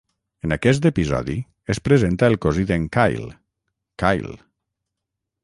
En aquest episodi es presenta el cosí d'en Kyle, Kyle.